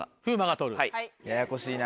ややこしいな。